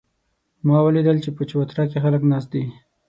ما ولیدل چې په چوتره کې خلک ناست دي